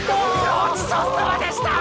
ごちそうさまでした！